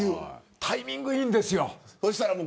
タイミングいいんですよ。